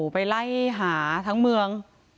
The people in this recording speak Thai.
ไปไล่หาทั้งเมือง